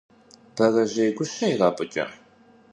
Бэрэжьей гущэ ирапӀыкӀа?